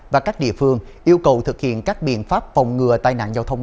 và các địa phương yêu cầu thực hiện các biện pháp phòng ngừa tai nạn giao thông